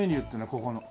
ここの。